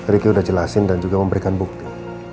ricky udah jelasin dan juga memberikan bukti